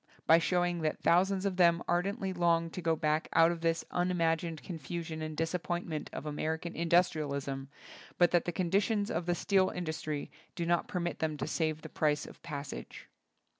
by showing that thou sands of them ardently long to go back out of this unimagined confusion and disappointment of American indus trialism, but that the conditions of the steel industry do not permit them to save the price of the passage.